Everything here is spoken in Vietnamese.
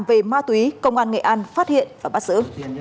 về ma túy công an nghệ an phát hiện và bắt giữ